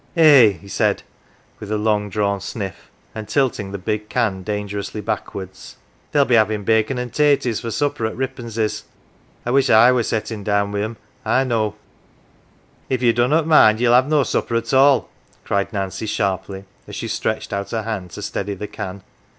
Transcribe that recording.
" Eh !" he said, with a long drawn sniff', and tilting the big can dangerously backwards, " they'll be bavin 1 bacon an 1 taties for supper at Rippons's. I wish I were settin' down wi 1 'em, I know." " If ye dunnot mind yell have no supper at all," cried Nancy sharply, as she stretched out her hand to steady the can.